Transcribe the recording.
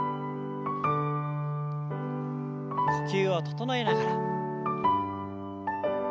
呼吸を整えながら。